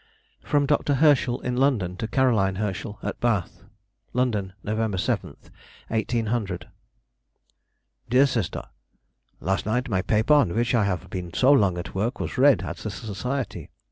FROM DR. HERSCHEL IN LONDON TO CAROLINE HERSCHEL AT BATH. LONDON, Nov. 7, 1800. DEAR SISTER,— Last night my paper on which I have been so long at work was read at the society.